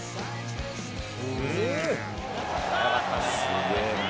すげぇな！